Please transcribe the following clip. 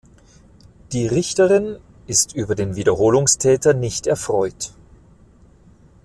Die Richterin ist über den Wiederholungstäter nicht erfreut.